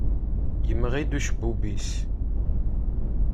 Yemɣi-d ucebbub-is.